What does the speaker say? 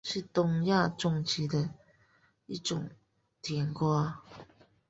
是东亚种植的一种甜瓜。